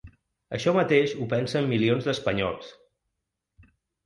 Això mateix ho pensen milions d’espanyols.